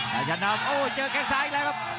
เป็นแก้งซ้ายอีกแล้วครับ